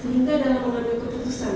sehingga dalam mengambil keputusan